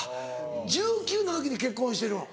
１９の時に結婚してるん？